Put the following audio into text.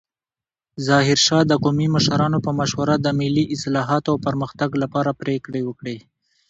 ظاهرشاه د قومي مشرانو په مشوره د ملي اصلاحاتو او پرمختګ لپاره پریکړې وکړې.